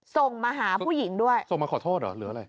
ส่งมาหาผู้หญิงด้วยส่งมาขอโทษเหรอหรืออะไร